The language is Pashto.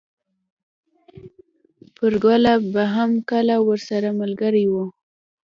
پريګله به هم کله ورسره ملګرې وه